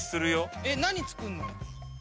えっ何作んの？